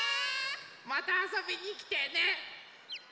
またあそびにきてね！